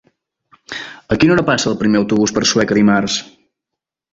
A quina hora passa el primer autobús per Sueca dimarts?